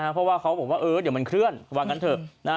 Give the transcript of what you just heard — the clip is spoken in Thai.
เพราะว่าเขาบอกว่าเดี๋ยวมันเคลื่อนว่างั้นเถอะ